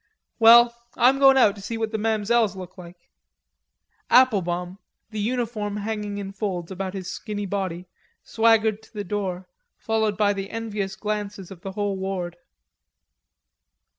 Well, I'm goin' out to see what the mamzelles look like." Applebaum, the uniform hanging in folds about his skinny body, swaggered to the door, followed by the envious glances of the whole ward.